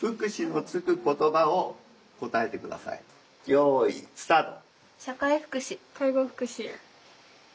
よいスタート！